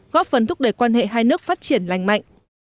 góp phần thúc đẩy quan hệ hai nước phát triển lành mạnh